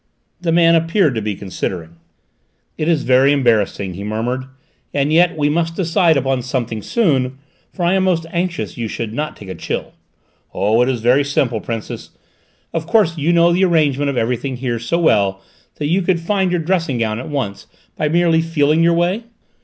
The man appeared to be considering. "It is very embarrassing," he murmured, "and yet we must decide upon something soon, for I am most anxious you should not take a chill. Oh, it is very simple, Princess: of course you know the arrangement of everything here so well that you could find your dressing gown at once, by merely feeling your way?